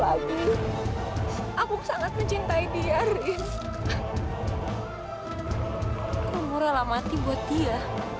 aku murah lah mati buat dia